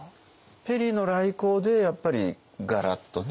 ペリーの来航でやっぱりガラッとね。